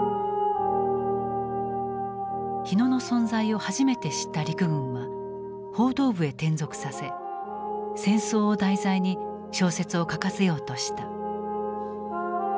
火野の存在を初めて知った陸軍は報道部へ転属させ戦争を題材に小説を書かせようとした。